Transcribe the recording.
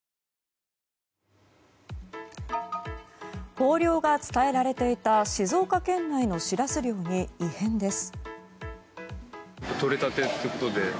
豊漁が伝えられていた静岡県内のシラス漁に異変です。